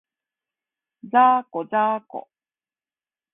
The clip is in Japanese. ざーこ、ざーこ